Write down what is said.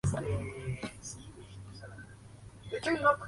Estar asustada, tienes que estar triste, tienes que ser romántica".